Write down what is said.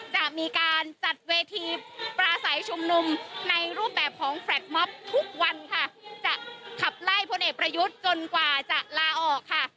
จะมีการจัดเวทีปราศัยชุมนุมในรูปแบบของแฟลตมอบทุกวันค่ะจะขับไล่พลเอกประยุทธ์จนกว่าจะลาออกค่ะ